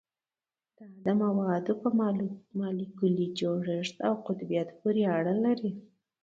دا د موادو په مالیکولي جوړښت او قطبیت پورې اړه لري